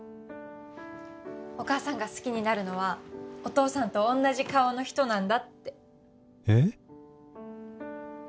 お母さんが好きになるのはお父さんとおんなじ顔の人なんだってえっ？